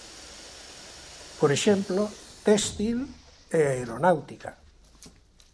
Por exemplo, téxtil e aeronáutica.